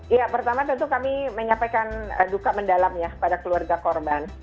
ya pertama tentu kami menyampaikan duka mendalam ya pada keluarga korban